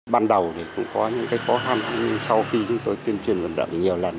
ban đầu thì cũng có những khó khăn nhưng sau khi chúng tôi tuyên truyền vận động nhiều lần